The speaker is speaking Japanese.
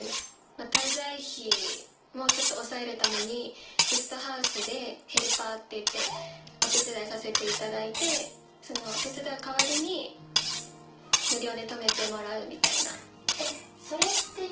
滞在費もちょっと抑えるためにゲストハウスでヘルパーっていってお手伝いさせていただいて手伝う代わりに無料で泊めてもらうみたいな。